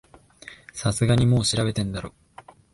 さすがにもう調べてんだろ